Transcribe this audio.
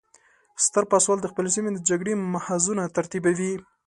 ستر پاسوال د خپلې سیمې د جګړې محاذونه ترتیبوي.